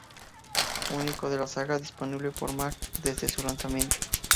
Único de la saga disponible para Mac desde su lanzamiento.